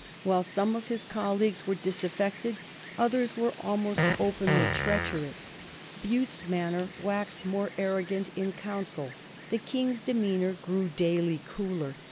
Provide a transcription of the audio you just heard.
While some of his colleagues were disaffected, others were almost openly treacherous. Bute's manner waxed more arrogant in Council. The King's demeanor grew daily cooler.